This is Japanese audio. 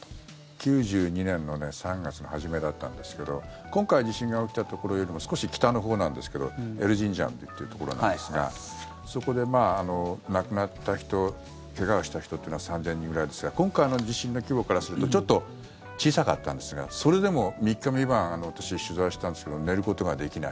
９２年の３月の初めだったんですけど今回、地震が起きたところよりも少し北のほうなんですけどエルジンジャンっていうところなんですがそこで亡くなった人怪我をした人っていうのは３０００人ぐらいですが今回の地震の規模からするとちょっと小さかったんですがそれでも、三日三晩私、取材したんですけど寝ることができない。